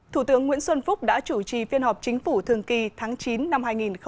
thủ tướng nguyễn xuân phúc đã chủ trì phiên họp chính phủ thường kỳ tháng chín năm hai nghìn một mươi chín